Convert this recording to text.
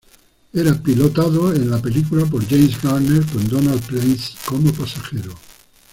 Era pilotado en la película por James Garner con Donald Pleasence como pasajero.